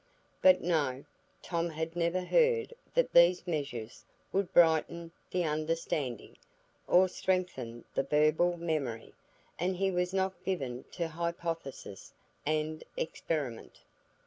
But no; Tom had never heard that these measures would brighten the understanding, or strengthen the verbal memory; and he was not given to hypothesis and experiment.